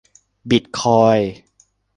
บิตคอยน์